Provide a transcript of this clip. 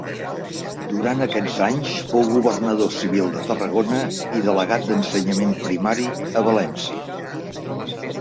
Durant aquests anys fou governador civil de Tarragona i delegat d'Ensenyament Primari a València.